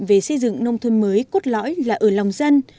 về xây dựng nông thôn mới cốt lõi là ở lòng dân